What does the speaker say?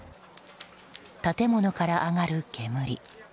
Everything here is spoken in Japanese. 建物から上がる煙。